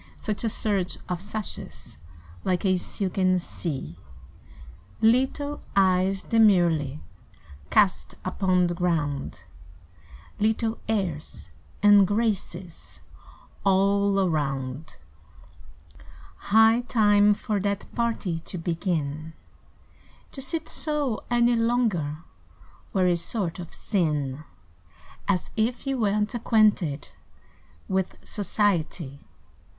Such a surge of sashes Like a silken sea. Little eyes demurely Cast upon the ground, Little airs and graces All around. High time for that party To begin! To sit so any longer Were a sort of sin; As if you were n't acquainted With society.